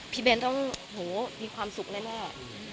เบนต้องมีความสุขแน่